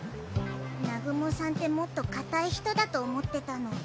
南雲さんってもっと固い人だと思ってたの。